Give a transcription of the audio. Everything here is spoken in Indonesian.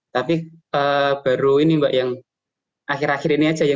tapi baru ini mbak yang akhir akhir ini aja ya